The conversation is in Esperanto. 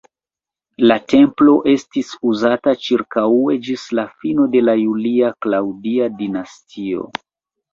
La templo estis uzata ĉirkaŭe ĝis la fino de la Julia-Klaŭdia dinastio.